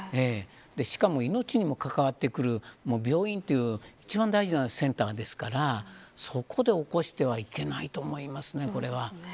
しかも命にも関わってくる病院という一番大事なセンターですからそこで起こしてはいけないと思いますね、これは。